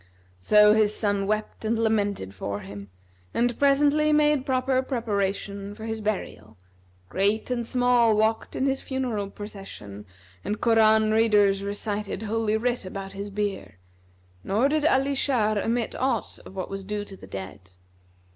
So his son wept and lamented for him and presently made proper preparation for his burial; great and small walked in his funeral procession and Koran readers recited Holy Writ about his bier; nor did Ali Shar omit aught of what was due to the dead.